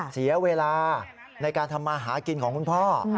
เสียเวลาในการทำมาหากินของคุณพ่อ